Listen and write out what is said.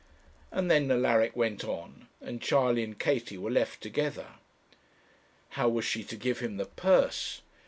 And then Alaric went on, and Charley and Katie were left together. How was she to give him the purse?